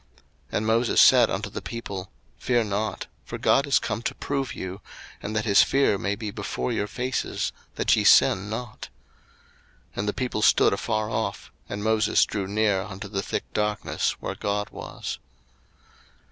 02:020:020 And Moses said unto the people, Fear not: for God is come to prove you, and that his fear may be before your faces, that ye sin not. 02:020:021 And the people stood afar off, and Moses drew near unto the thick darkness where God was.